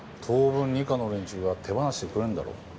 当分二課の連中が手放してくれんだろ。